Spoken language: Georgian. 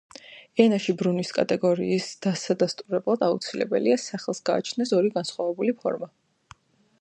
ენაში ბრუნვის კატეგორიის დასადასტურებლად აუცილებელია სახელს გააჩნდეს ორი განსხვავებული ფორმა.